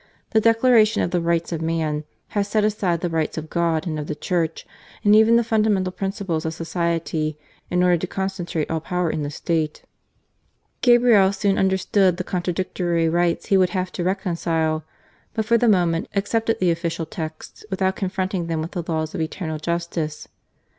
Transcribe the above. The "declaration of the rights of man" has set aside the rights of God and of the Church, and even the fundamental principles of society, in order to con centrate all power in the state. Gabriel soon understood the contradictory rights he would have to reconcile, but for the moment accepted the official texts without confronting them with the laws of Eternal Justice.